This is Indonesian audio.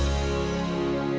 tidak ada apa apa